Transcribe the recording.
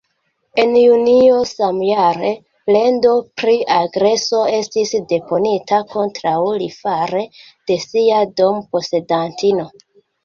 En junio samjare, plendo pri agreso estis deponita kontraŭ li fare de sia dom-posedantino.